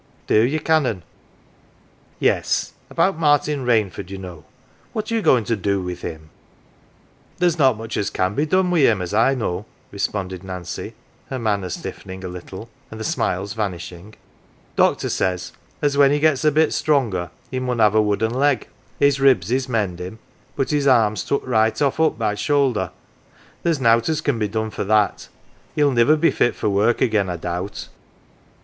"Do ye, Canon? 11 " Yes. About Martin Rainford, you know. What are you going to do with him ?" "There's not much as can be done wi 1 him, as I know," responded Nancy, her manner stiffening a little, 89 NANCY and the smiles vanishing. " Doctor says as when he gets a bit stronger he inun have a wooden leg ; his ribs is mendin' but his arm's took right oft' up by the shoulder there" 1 * nowt as can be done for that. Hell niver be fit for work again, I doubt."